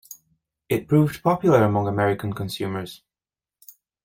It proved popular among American consumers.